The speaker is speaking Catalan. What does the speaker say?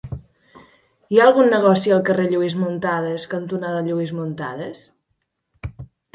Hi ha algun negoci al carrer Lluís Muntadas cantonada Lluís Muntadas?